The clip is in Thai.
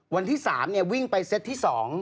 วันที่๓เนี่ยวิ่งไปเซ็ตที่๒